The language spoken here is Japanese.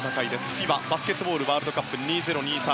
ＦＩＢＡバスケットボールワールドカップ２０２３。